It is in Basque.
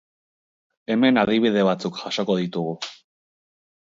Hemen adibide batzuk jasoko ditugu.